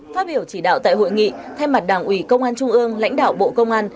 phát biểu chỉ đạo tại hội nghị thay mặt đảng ủy công an trung ương lãnh đạo bộ công an